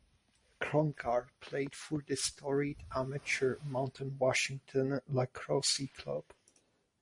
Krongard played for the storied amateur Mount Washington Lacrosse Club.